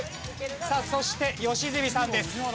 さあそして良純さんです。